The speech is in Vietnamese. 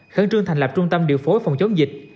khẩn trương thành lập trung tâm điều phối phòng chống dịch